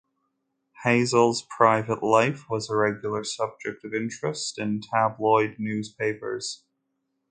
Hassall's private life was a regular subject of interest in tabloid newspapers.